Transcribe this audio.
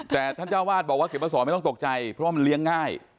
แต่ท่านเจ้าวาดบอกว่าเข็มมาสอนไม่ต้องตกใจเพราะว่ามันเลี้ยงง่าย